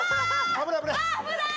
危ない危ない！